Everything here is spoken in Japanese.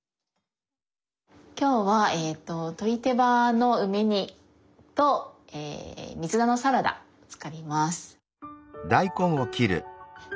今日は鶏手羽の梅煮と水菜のサラダ作ります。